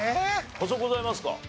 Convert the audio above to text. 補足ございますか？